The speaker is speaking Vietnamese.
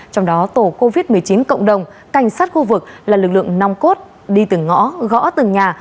trong đó tổ covid một mươi chín cộng đồng cảnh sát khu vực là lực lượng nong cốt đi từng ngõ gõ từng nhà